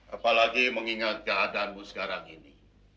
apalagi mengingat keadaanmu sekarang ini